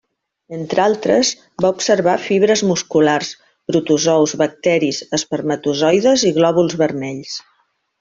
Entre altres, va observar fibres musculars, protozous, bacteris, espermatozoides i glòbuls vermells.